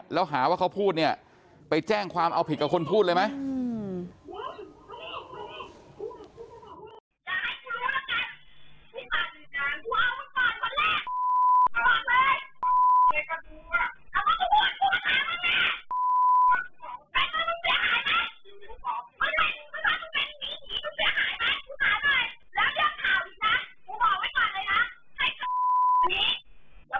แล้วหาว่าเขาพูดเนี่ยไปแจ้งความเอาผิดกับคนพูดเลยไหม